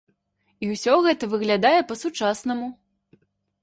І ўсё гэта выглядае па-сучаснаму!